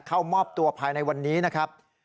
เข้ามอบตัวภายในวันนี้นะครับ